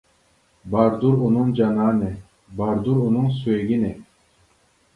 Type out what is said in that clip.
باردۇر ئۇنىڭ جانانى، باردۇر ئۇنىڭ سۆيگىنى.